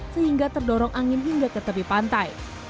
sehingga terdorong angin hingga ke tepi pantai